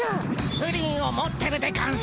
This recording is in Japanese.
プリンを持ってるでゴンス。